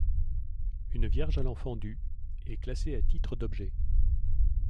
Une Vierge à l'Enfant du est classée à titre d'objet.